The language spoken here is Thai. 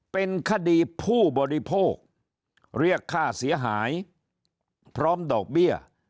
เป็นคดีผู้บริโภคเรียกค่าเสียหายพร้อมดอกเบี้ย